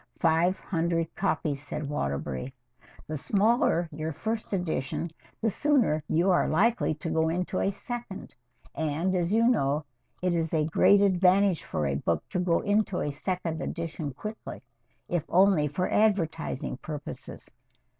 "Five hundred copies," said Waterbury. "The smaller your first edition, the sooner you are likely to go into a second, and, as you know, it is a great advantage for a book to go into a second edition quickly, if only for advertising purposes.